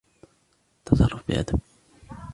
تصرف بأدب